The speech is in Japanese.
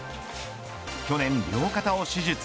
去年両肩を手術。